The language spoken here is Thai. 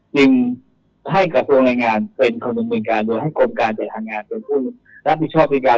จึงให้กระทรวงแรงงานเป็นคนดำเนินการโดยให้กรมการจัดหางานเป็นผู้รับผิดชอบในการ